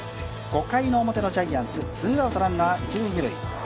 ５回の表のジャイアンツ、ツーアウトランナー一・二塁。